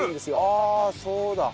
ああそうだ。